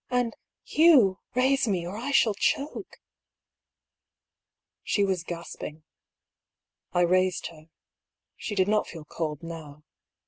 " And, Hugh, raise me, or I shall choke !" She was gasping. I raised her. She did not feel cold now.